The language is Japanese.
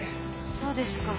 そうですか。